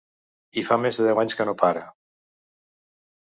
I fa més de deu anys que no para.